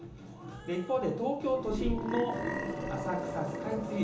一方で、東京都心の浅草・スカイツリー。